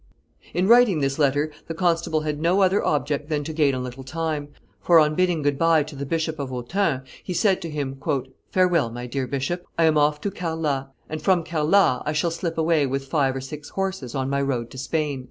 In writing this letter the constable had no other object than to gain a little time, for, on bidding good by to the Bishop of Autun, he said to him, "Farewell, my dear bishop; I am off to Carlat, and from Carlat I shall slip away with five or six horses on my road to Spain."